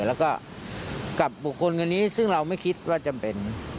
แล้วก็กับบุคคลคนนี้ซึ่งเราไม่คิดว่าจำเป็น